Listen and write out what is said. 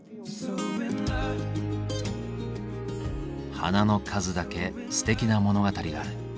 花の数だけすてきな物語がある。